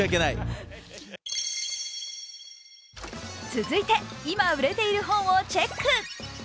続いて、今売れている本をチェック。